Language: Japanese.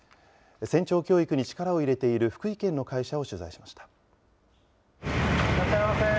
船長教育に力を入れている福井県の会社を取材しました。